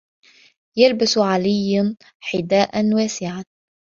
يَلْبَسُ عَلِيٌّ حذاءً وَاسِعًا.